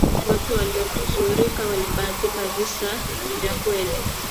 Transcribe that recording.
watu waliyonusurika walihadithi visa vya kweli